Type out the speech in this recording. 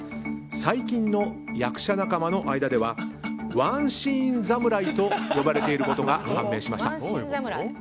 最近の役者仲間の間では１シーン侍と呼ばれていることが判明しました。